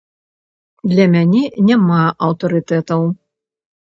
Для мяне няма аўтарытэтаў.